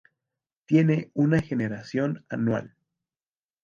Tiene una generación anual.